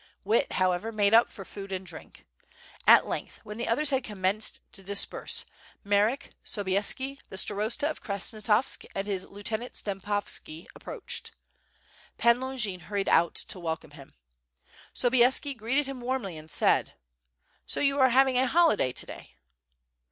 Wit, however, made up for food and drink. At length when the others had commenced to dis perse, Marek, Sobieski, the Starosta of Krasnostavsk and his lieutenant Stempovski approached. Pan Longin hurried out to welcome him. Sobieski greeted him warmly, and said: "So you are having a holiday to day?"